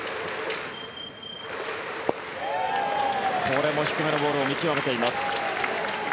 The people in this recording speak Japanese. これも低めのボールを見極めています。